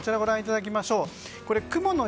こちら、ご覧いただきましょう。